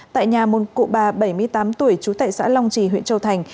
tại nhà một cụ bà bảy mươi tám tuổi trú tại xã long trì huyện châu thành